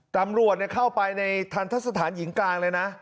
ตำรวจเข้าไปในทันทะสถานหญิงกลางเลยนะ